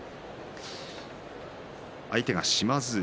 相手は島津海。